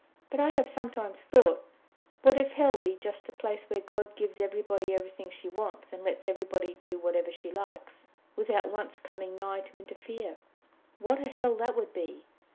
But I have sometimes thought, What if hell be just a place where God gives everybody everything she wants, and lets everybody do whatever she likes, without once coming nigh to interfere! What a hell that would be!